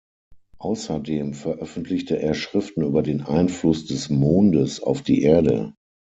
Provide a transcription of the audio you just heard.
Außerdem veröffentlichte er Schriften über den Einfluss des Mondes auf die Erde.